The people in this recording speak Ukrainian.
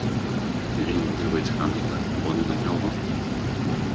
Він дивиться на них, вони на нього.